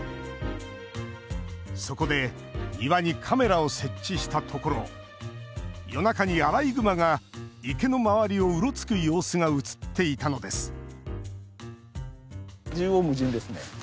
そこで庭にカメラを設置したところ夜中にアライグマが池の周りをうろつく様子が映っていたのです